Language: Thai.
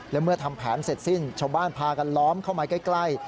และเมื่อทำแผนเสร็จสิ้นชาวบ้านพากันล้อมเข้ามาใกล้